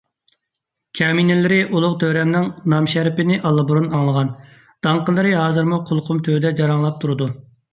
كەمىنىلىرى ئۇلۇغ تۆرەمنىڭ نامىشەرىپىنى ئاللىبۇرۇن ئاڭلىغان، داڭقىلىرى ھازىرمۇ قۇلىقىم تۈۋىدە جاراڭلاپ تۇرىدۇ.